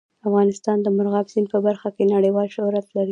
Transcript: افغانستان د مورغاب سیند په برخه کې نړیوال شهرت لري.